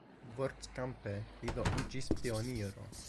Vortkampe li do iĝis pioniro.